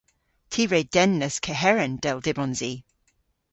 Ty re dennas keheren, dell dybons i.